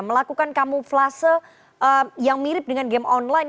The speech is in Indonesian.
melakukan kamuflase yang mirip dengan game online